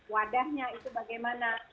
wadahnya itu bagaimana